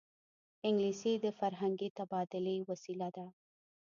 انګلیسي د فرهنګي تبادلې وسیله ده